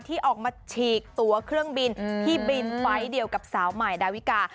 ที่ออกมาฉีกตัวเครื่องบินที่บินไฟล์เดียวกับสาวใหม่ดาวิกา